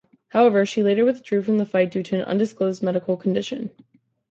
However, she later withdrew from the fight due to an undisclosed medical condition.